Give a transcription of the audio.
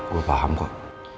gue paham kok